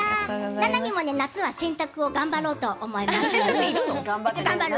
ななみも夏は洗濯を頑張ろうと思います。